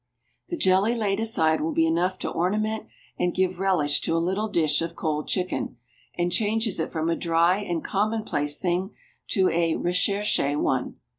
The jelly laid aside will be enough to ornament and give relish to a little dish of cold chicken, and changes it from a dry and commonplace thing to a recherché one.